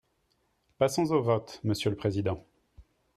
Passons au vote, monsieur le président